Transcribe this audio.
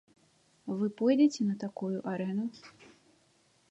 Вы пойдзеце на такую арэну?